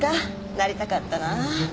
なりたかったな。